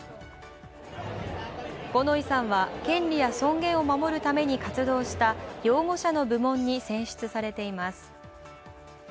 五ノ井さんは権利や尊厳を守るために活動した擁護者の部門に選出されています。